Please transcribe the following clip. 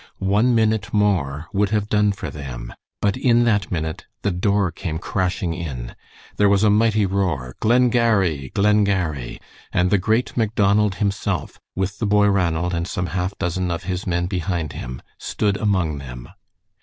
One minute more would have done for them, but in that minute the door came crashing in. There was a mighty roar, "Glengarry! Glengarry!" and the great Macdonald himself, with the boy Ranald and some half dozen of his men behind him, stood among them.